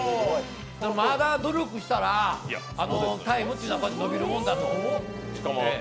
まだ努力したらタイムというのは伸びるものだと。